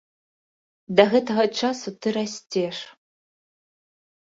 Да гэтага часу ты расцеш.